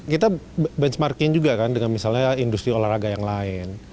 kita benchmarking juga kan dengan misalnya industri olahraga yang lain